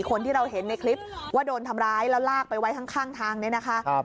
คนที่เราเห็นในคลิปว่าโดนทำร้ายแล้วลากไปไว้ข้างทางเนี่ยนะคะ